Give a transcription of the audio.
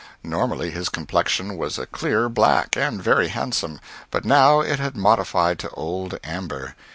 Normally his complexion was a clear black, and very handsome, but now it had modified to old amber.